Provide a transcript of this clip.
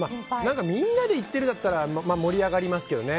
みんなで行ってるだったら盛り上がりますけどね